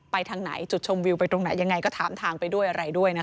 ทางไหนจุดชมวิวไปตรงไหนยังไงก็ถามทางไปด้วยอะไรด้วยนะคะ